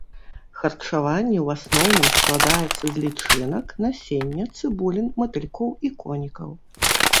Харчаванне ў асноўным складаецца з лічынак, насення, цыбулін, матылькоў і конікаў.